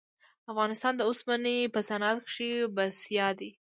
افغانستان د اوسپنې په صنعت کښې ځان بسیا دی.